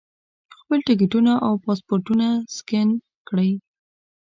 خپل ټکټونه او پاسپورټونه سکین کړي.